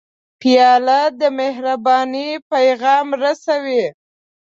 پیاله د مهربانۍ پیغام رسوي.